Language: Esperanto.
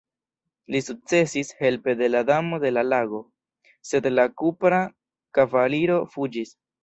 Li sukcesis, helpe de la Damo de la Lago, sed la Kupra Kavaliro fuĝis.